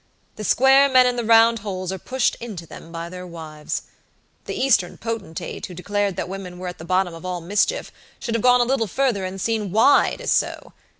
The square men in the round holes are pushed into them by their wives. The Eastern potentate who declared that women were at the bottom of all mischief, should have gone a little further and seen why it is so.